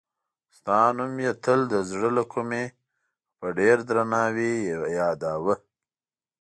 ستا نوم یې تل د زړه له کومې او په ډېر درناوي یادوه.